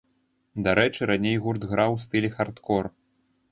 Дарэчы, раней гурт граў у стылі хардкор.